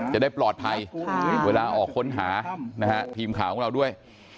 จะได้ปลอดภัยเวลาออกค้นหานะฮะทีมข่าวของเราด้วย